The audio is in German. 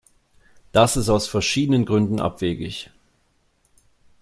Das ist aus verschiedenen Gründen abwegig.